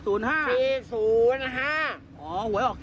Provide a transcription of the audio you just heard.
อ๋อให้๖๔แต่หวยออก๐๕